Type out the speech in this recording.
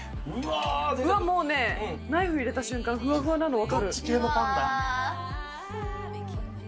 もうね、ナイフ入れた瞬間、ふわふわなの分かる。